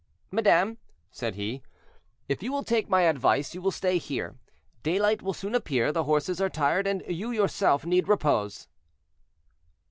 "Madame," said he, "if you will take my advice, you will stay here; daylight will soon appear, the horses are tired, and you yourself need repose."